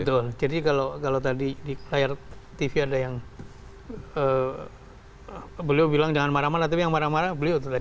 betul jadi kalau tadi di layar tv ada yang beliau bilang jangan marah marah tapi yang marah marah beliau terlihat